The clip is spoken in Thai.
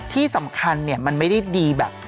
ที่สำคัญมันไม่ได้ดีแบบ